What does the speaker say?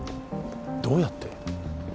どうやって？